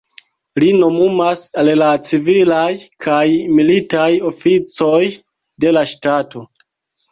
Li nomumas al la civilaj kaj militaj oficoj de la ŝtato.